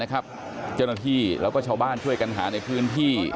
เจ้าหน้าที่แล้วก็ชาวบ้านช่วยกันหาในพื้นที่